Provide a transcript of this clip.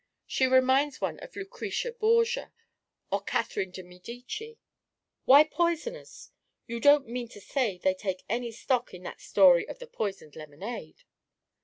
She reminds one of Lucrezia Borgia, or Catherine de Medici " "Why poisoners? You don't mean to say they take any stock in that story of the poisoned lemonade?"